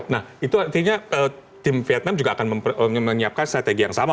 nah itu artinya tim vietnam juga akan menyiapkan strategi yang sama